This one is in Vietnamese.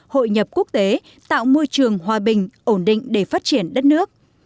hội nhập quốc tế tạo môi trường hòa bình ổn định để phát triển đất nước